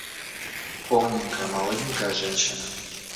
Полненькая, молоденькая женщина!